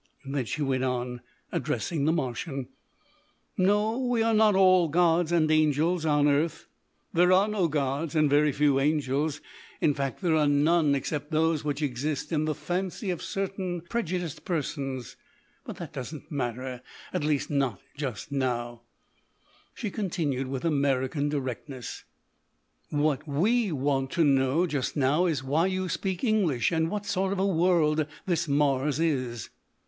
Then she went on, addressing the Martian, "No, we are not all gods and angels on earth. There are no gods and very few angels. In fact there are none except those which exist in the fancy of certain prejudiced persons. But that doesn't matter, at least not just now," she continued with American directness. "What we want to know just now is, why you speak English, and what sort of a world this Mars is?"